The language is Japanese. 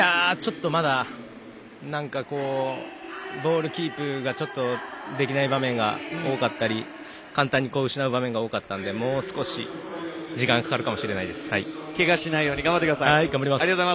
まだボールキープができない場面が多かったり簡単に失う場面が多かったのでもう少し時間がかかるかもけがしないように頑張ってください。